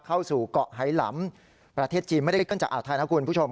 เข้าสู่เกาะไฮลำประเทศจีนไม่ได้ขึ้นจากอ่าวไทยนะคุณผู้ชม